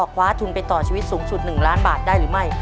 คว้าทุนไปต่อชีวิตสูงสุด๑ล้านบาทได้หรือไม่